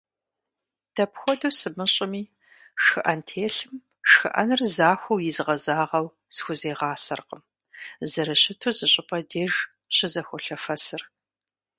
Дапхуэду сымыщӏыми, шхыӏэнтелъым шхыӏэныр захуэу изгъэзагъэу зысхуегъасэркъым, зэрыщыту зыщӏыпӏэ деж щызэхуолъэфэсыр.